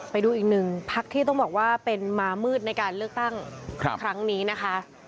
ไปดูอีกหนึ่งพักที่ต้องบอกว่าเป็นมามืดในการเลือกตั้งครั้งนี้นะคะ